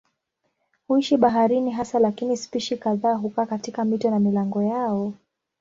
Huishi baharini hasa lakini spishi kadhaa hukaa katika mito na milango yao.